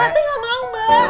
saya gak mau mbak